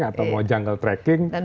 atau mau jungle trekking